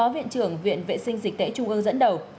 viện trưởng viện vệ sinh dịch tễ trung ương dẫn đầu